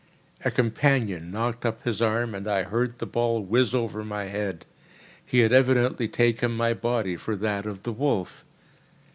A companion knocked up his arm, and I heard the ball whizz over my head. He had evidently taken my body for that of the wolf.